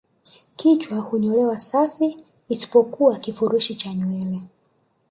Kichwa hunyolewa safi isipokuwa kifurushi cha nywele